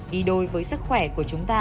đi đôi với sức khỏe của chúng ta